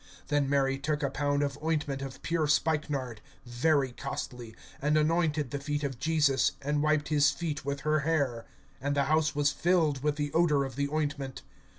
(3)Then Mary took a pound of ointment of pure spikenard, very costly, and anointed the feet of Jesus, and wiped his feet with her hair; and the house was filled with the odor of the ointment.